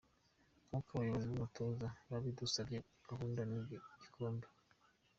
Nkuko abayobozi n’umutoza babidusabye gahunda ni igikombe.